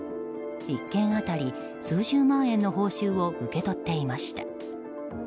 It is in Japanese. １件当たり数十万円の報酬を受け取っていました。